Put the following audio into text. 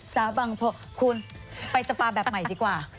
สาบังคุณไปสปาแบบใหม่ดีกว่า